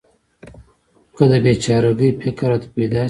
که د بې چاره ګۍ فکر راته پیدا شي.